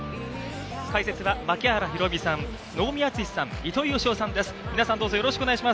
解説は槙原寛己さん、能見篤史さん糸井嘉男さんです。